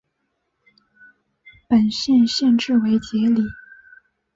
本县县治为杰里。